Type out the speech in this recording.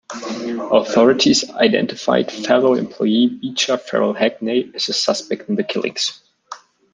Authorities identified fellow employee Beacher Ferrel Hackney as a suspect in the killings.